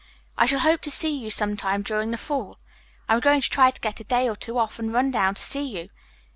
"I shall hope to see you some time during the fall. I am going to try to get a day or two off and run down to see you.